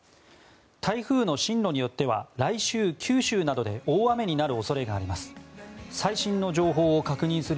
台風の進路によっては来週、九州などで大雨になる恐れがあります。